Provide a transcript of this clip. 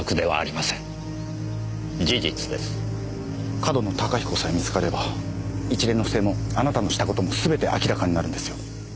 上遠野隆彦さえ見つかれば一連の不正もあなたのした事もすべて明らかになるんですよ。